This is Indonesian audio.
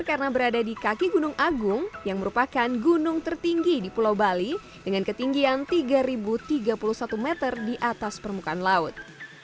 karena berada di kaki gunung agung yang merupakan gunung tertinggi di pulau bali dengan ketinggian tiga ribu tiga puluh satu meter di atas permukaan laut